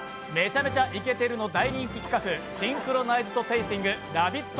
「めちゃ×２イケてるッ！」の大人気企画、シンクロナイズドテイスティング「ラヴィット！」